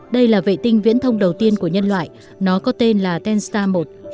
đây là vệ tinh viễn thông đầu tiên của nhân loại nó có tên là tenstar một